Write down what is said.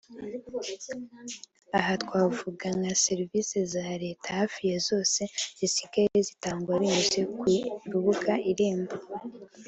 Aha twavuga nka serivisi za leta hafi ya zose zisigaye zitangwa binyuze ku rubuga Irembo